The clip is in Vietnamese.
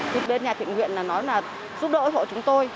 thì bên nhà thịnh huyện nói là giúp đỡ ủi hộ chúng tôi